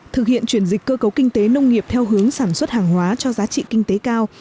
thực hiện chuyển dịch cơ cấu kinh tế nông nghiệp theo hướng sản xuất hàng hóa cho giá trị kinh tế cao